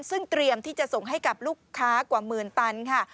ซึ่งเตรียมที่จะส่งให้กับลูกค้ากว่าหมื่นตันค่ะ